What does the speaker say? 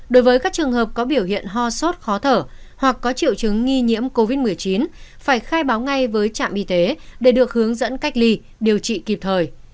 đối với các trường hợp có biểu hiện ho sốt khó thở hoặc có triệu chứng nghi nhiễm covid một mươi chín phải khai báo ngay với trạm y tế để được hướng dẫn cách ly điều trị kịp thời